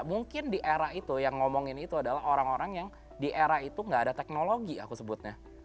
mungkin di era itu yang ngomongin itu adalah orang orang yang di era itu nggak ada teknologi aku sebutnya